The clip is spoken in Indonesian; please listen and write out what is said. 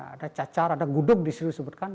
ada cacar ada gudug disini disebutkan